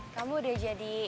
kamu udah jadi